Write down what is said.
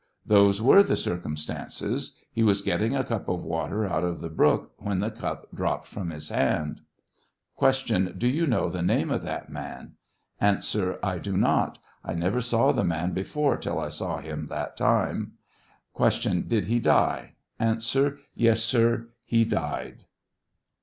Those were the circumstances. He was getting a cup of water out of the brook, when Ik cup dropped from his hand. Q. Do you know the name of that man ? A. I do not ; I never saw the man before till I saw him that time. Q. Did he die ? A. Yes, sir, he died